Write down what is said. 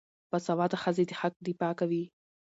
باسواده ښځې د حق دفاع کوي.